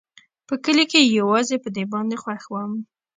په کلي کښې يوازې په دې باندې خوښ وم.